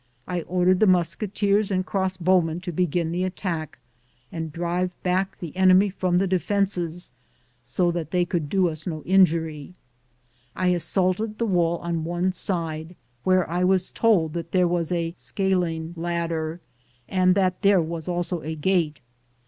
I ordered the musketeers and crossbowmen to begin the attack and drive back the enemy from the defenses, so that they could not do us any injury. I as saulted the wall on one side, where I was told that there was a scaling ladder and that there was also a gate.